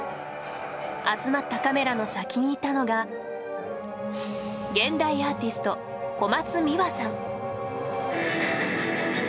集まったカメラの先にいたのが現代アーティスト、小松美羽さん。